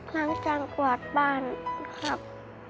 ล้างจานกวาดบ้านครับ